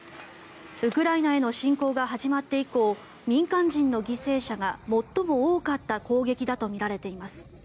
ウクライナへの侵攻が始まって以降民間人の犠牲者が最も多かった攻撃だとみられています。